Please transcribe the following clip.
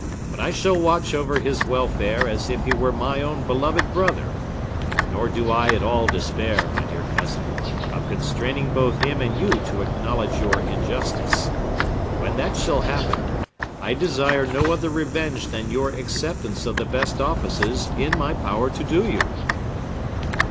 But I shall watch over his welfare as if he were my own beloved brother; nor do I at all despair, my dear cousin, of constraining both him and you to acknowledge your injustice. When that shall happen, I desire no other revenge than your acceptance of the best offices in my power to do you."